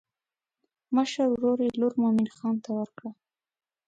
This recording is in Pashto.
مشر ورور یې لور مومن خان ته ورکړه.